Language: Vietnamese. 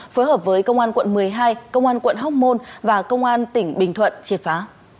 phối hợp với công an quận một mươi hai công an quận hóc môn và công an tỉnh bình thuận triệt phá